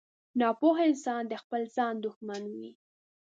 • ناپوه انسان د خپل ځان دښمن وي.